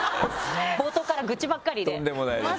冒頭から愚痴ばっかりですいません。